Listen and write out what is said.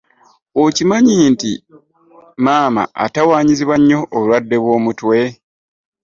Okimanyi nti maama atawanyizibwa nnyo obulwadde bw'omutwe.